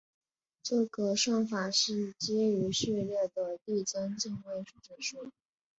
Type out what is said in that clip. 这个算法是基于序列的递增进位制数。